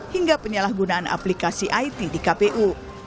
hingga penyalahgunaan aplikasi it di kpu